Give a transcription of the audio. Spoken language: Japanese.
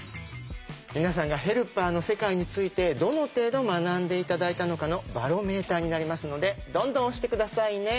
皆さんがヘルパーの世界についてどの程度学んで頂いたのかのバロメーターになりますのでどんどん押して下さいね。